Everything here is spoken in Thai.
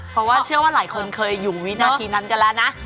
เพราะว่าเชื่อว่าหลายคนเคยอยู่วินาทีนั้นกันแล้วนะ